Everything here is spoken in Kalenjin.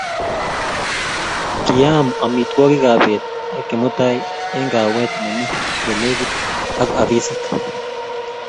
Kiaam amitwokik ab bet ak Kimutai eng kahawet nimii olelekit ak afisit